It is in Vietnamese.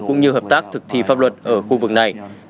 cũng như hợp tác thực thi pháp luật ở khu vực này